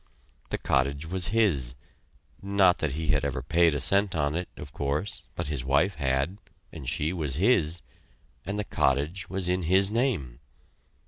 The cottage was his not that he had ever paid a cent on it, of course, but his wife had, and she was his; and the cottage was in his name.